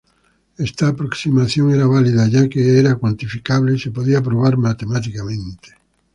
Esta aproximación era válida ya que era cuantificable y se podía probar matemáticamente.